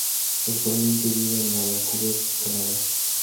Actualmente vive en Vancouver, Canadá.